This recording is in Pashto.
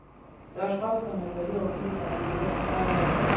د اشخاصو د نظریو او هیلو تابع کېدل ښه کار نه دی.